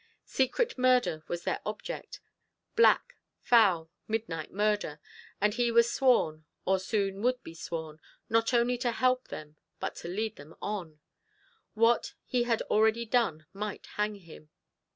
Secret murder was their object black, foul, midnight murder and he was sworn, or soon would be sworn, not only to help them, but to lead them on. What he had already done might hang him.